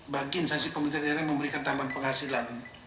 bagi insasi pemerintah daerah yang memberikan tambahan penghasilan